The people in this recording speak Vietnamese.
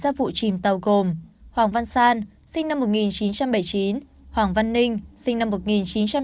ra vụ chìm tàu gồm hoàng văn san sinh năm một nghìn chín trăm bảy mươi chín hoàng văn ninh sinh năm một nghìn chín trăm tám mươi